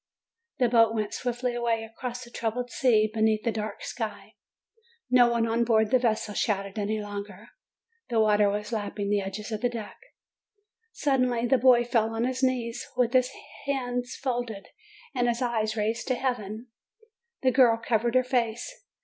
The boat went swiftly away across the troubled sea, beneath the dark sky. No one on board the vessel shouted any longer. The water was lapping the edge of the deck. Suddenly the boy fell on his knees, with his hands folded and his eyes raised to heaven. The girl covered her face.